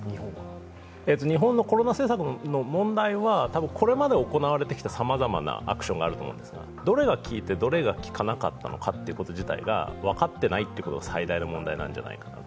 日本のコロナ政策の問題は、たぶんこれまで行われてきたさまざまなアクションがあると思うんですが、どれが効いてどれが効かなかったのかが分かっていないというのが最大の問題なんじゃないかと。